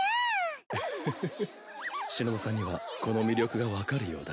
フフフしのぶさんにはこの魅力が分かるようだ。